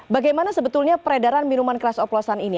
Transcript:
bagaimana sebetulnya peredaran minuman keras oplosan ini